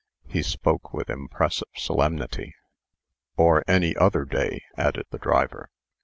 He spoke with impressive solemnity. "Or any other day," added the driver.